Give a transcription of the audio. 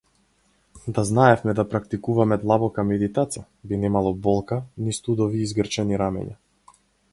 Да знаевме да практикуваме длабока медитација, би немало болка, ни студови и згрчени рамења.